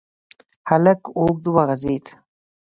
هلک اوږد وغځېد.